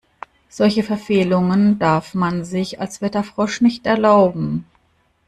Solche Verfehlungen darf man sich als Wetterfrosch nicht erlauben.